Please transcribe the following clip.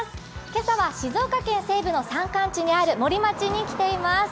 今朝は静岡県西部の山間地にある森町に来ています。